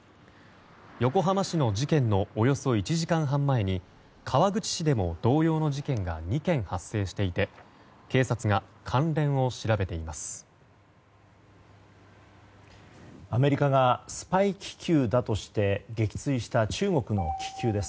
横浜市の事件のおよそ１時間半前に川口市でも同様の事件が２件発生していて警察が関連を調べています。